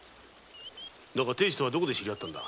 亭主とはどこで知り合ったんだ？